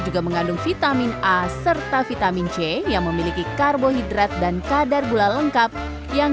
juga mengandung vitamin a serta vitamin c yang memiliki karbohidrat dan kadar gula lengkap yang